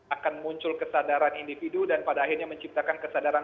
akan muncul kesadaran individu dan pada akhirnya menciptakan kesadaran